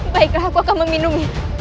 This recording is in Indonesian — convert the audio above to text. baiklah aku akan meminumnya